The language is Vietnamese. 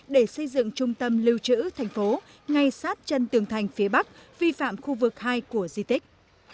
để xây dựng trung tâm lưu trữ thành phố ngay sát chân tường thành phía bắc vi phạm khu vực hai của di tích